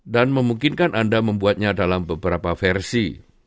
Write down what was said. dan memungkinkan anda membuatnya dalam beberapa versi